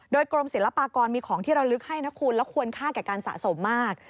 โดยกรมศิลปากรมีของที่ระลึกให้นะคุณแล้วควรค่าแก่การสะสมมาก